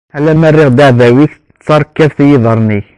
Alamma rriɣ aɛdaw-ik d tarkabt i yiḍarren-ik.